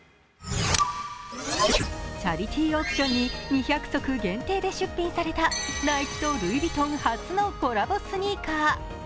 チャリティーオークションに２００足限定で出品されたナイキとルイ・ヴィトン初のコラボスニーカー。